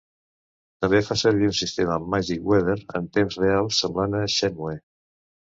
També fa servir un sistema "Magic Weather" en temps real semblant a "Shenmue".